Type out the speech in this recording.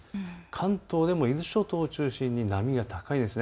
関東でも伊豆諸島を中心に波が高いです。